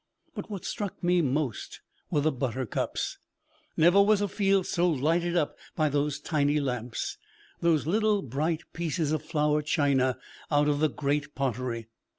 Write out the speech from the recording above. But what struck me most were the buttercups. Never was field so lighted up by those tiny lamps, those little bright pieces of flower china out of the Great Pottery.